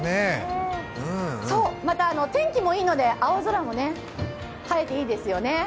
また天気もいいので青空も映えていいですよね。